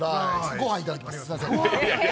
ご飯いただきます。